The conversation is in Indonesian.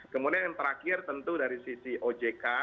kemudian yang terakhir tentu dari sisi ojk